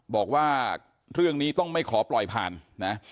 บอกว่าเรื่องนี้ต้องไม่ขอปล่อยผ่านนะ